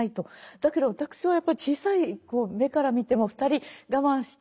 だけど私はやっぱり小さい目から見ても２人我慢して。